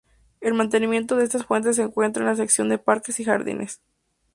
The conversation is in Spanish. El mantenimiento de estas fuentes se encuentran en la Sección de Parques y Jardines.